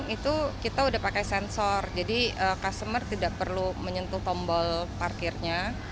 itu kita udah pakai sensor jadi customer tidak perlu menyentuh tombol parkirnya